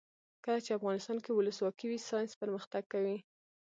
کله چې افغانستان کې ولسواکي وي ساینس پرمختګ کوي.